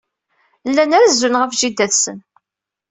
Llan rezzun ɣef jida-tsen.